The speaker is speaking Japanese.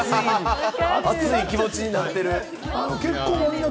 熱い気持ちになってる。